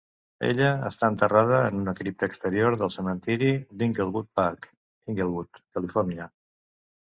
Ella està enterrada en una cripta exterior del Cementiri d'Inglewood Park, Inglewood, Califòrnia.